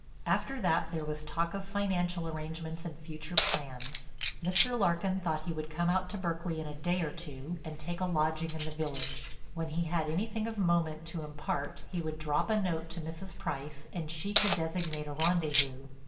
After that there was talk of financial arrangements and future plans. Mr. Larkin thought he would come out to Berkeley in a day or two and take a lodging in the village. When he had anything of moment to impart he would drop a note to Mrs. Price and she could designate a rendezvous.